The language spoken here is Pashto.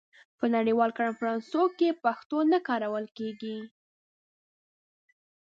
په نړیوالو کنفرانسونو کې پښتو نه کارول کېږي.